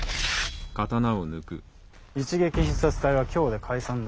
一撃必殺隊は今日で解散だ。